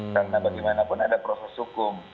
karena bagaimanapun ada proses hukum